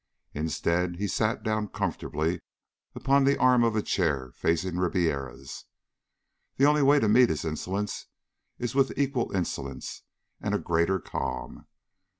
Instead, he sat down comfortably upon the arm of a chair facing Ribiera's. The only way to meet insolence is with equal insolence and a greater calm.